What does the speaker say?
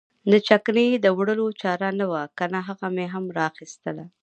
د چکنۍ د وړلو چاره نه وه کنه هغه مې هم را اخیستله.